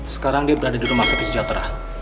sekarang dia berada di rumah sakit sejahtera